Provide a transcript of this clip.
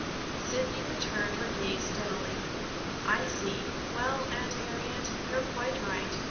Sidney returned her gaze steadily. "I see. Well, Aunt Harriet, you're quite right.